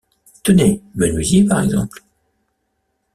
Tenez, menuisier, par exemple.